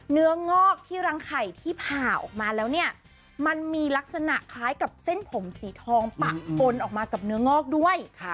งอกที่รังไข่ที่ผ่าออกมาแล้วเนี่ยมันมีลักษณะคล้ายกับเส้นผมสีทองปะปนออกมากับเนื้องอกด้วย